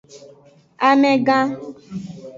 Amegan.